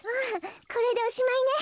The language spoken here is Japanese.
これでおしまいね。